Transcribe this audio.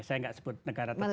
saya nggak sebut negara tersebut